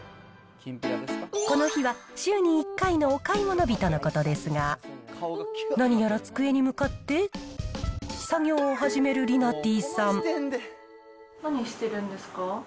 この日は、週に１回のお買い物日とのことですが、何やら机に向かって、何してるんですか？